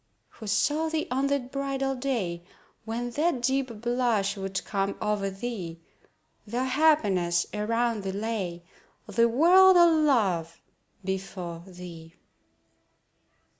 Who saw thee on that bridal day, When that deep blush would come o'er thee, Though happiness around thee lay, The world all love before thee.